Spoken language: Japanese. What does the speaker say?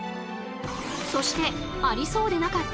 そしてありそうでなかった